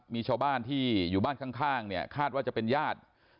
มีชาวบ้านที่อยู่บ้านข้างเนี่ยคาดว่าจะเป็นญาติ